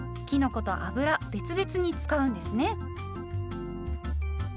きのこと油別々に使うんですね。